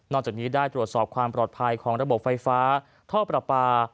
จากนี้ได้ตรวจสอบความปลอดภัยของระบบไฟฟ้าท่อประปา